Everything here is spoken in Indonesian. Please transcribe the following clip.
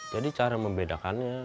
jadi cara membedakannya